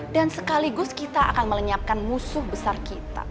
dan sekaligus kita akan melenyapkan musuh besar itu ma